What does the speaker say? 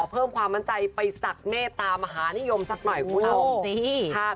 เพิ่มความมั่นใจไปศักดิ์เมตตามหานิยมสักหน่อยคุณผู้ชม